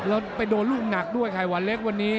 แล้วไปโดนลูกหนักด้วยไข่หวานเล็กวันนี้